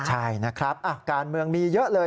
ใช่นะครับการเมืองมีเยอะเลย